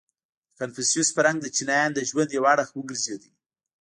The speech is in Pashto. • د کنفوسیوس فرهنګ د چینایانو د ژوند یو اړخ وګرځېد.